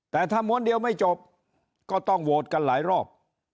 แต่ถ้าม้วนเดียวไม่จบก็ต้องโหวตกันหลายรอบ